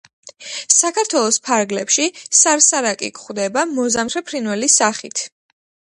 საქართველოს ფარგლებში სარსარაკი გვხვდება მოზამთრე ფრინველის სახით.